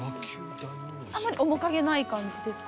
あんまり面影ない感じですか？